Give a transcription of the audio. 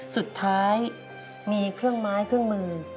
สุดท้ายมีเครื่องไม้เครื่องมือ